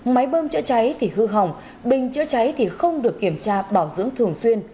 máy bơm chữa cháy thì hư hỏng bình chữa cháy thì không được kiểm tra bảo dưỡng thường xuyên